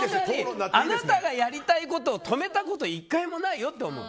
あなたがやりたいことを止めたこと１回もないよって思う。